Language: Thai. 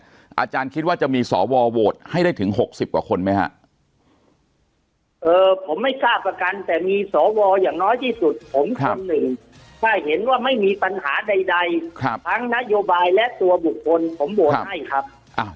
ถ้าเห็นว่าไม่มีปัญหาใดทั้งนโยบายและตัวบุคคลผมโบนให้ครับ